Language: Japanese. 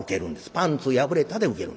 「パンツ破れた」でウケる。